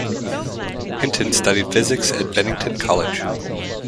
Hinton studied physics at Bennington College.